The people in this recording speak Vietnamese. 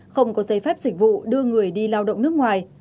không có giấy phép dịch vụ đưa người đi lao động nước ngoài